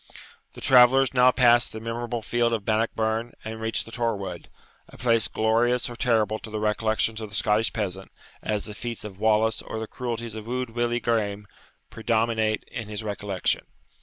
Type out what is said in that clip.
The travellers now passed the memorable field of Bannockburn and reached the Torwood, a place glorious or terrible to the recollections of the Scottish peasant, as the feats of Wallace or the cruelties of Wude Willie Grime predominate in his recollection.